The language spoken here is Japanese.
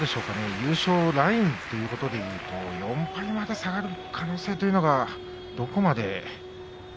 優勝ラインということでいうと４敗まで下がる可能性というのがどこまで。